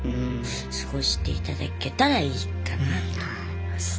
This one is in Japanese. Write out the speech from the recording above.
過ごしていただけたらいいかなと思いますね。